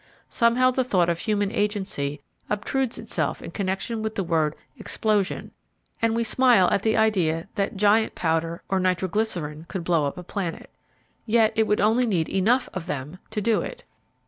Somehow the thought of human agency obtrudes itself in connection with the word "explosion," and we smile at the idea that giant powder or nitro glycerine could blow up a planet. Yet it would only need enough of them to do it.